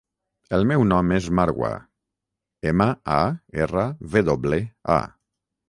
El meu nom és Marwa: ema, a, erra, ve doble, a.